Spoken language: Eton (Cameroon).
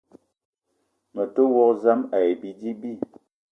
Me te wok zam ayi bidi bi.